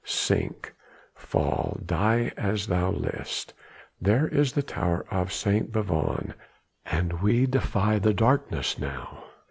sink! fall! die as thou list, there is the tower of St. Bavon! and we defy the darkness now!